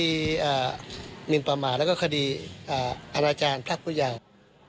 มีคดีมินประมาณแล้วก็คดีอราจารย์พระผู้ยาง